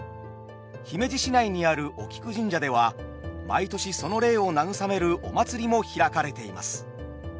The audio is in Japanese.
姫路市内にあるお菊神社では毎年その霊を慰めるお祭りも開かれています。